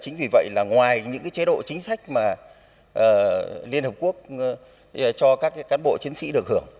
ngoài những chế độ chính sách mà liên hợp quốc cho các cán bộ chiến sĩ được hưởng